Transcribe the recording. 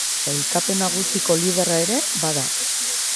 Sailkapen nagusiko liderra ere bada.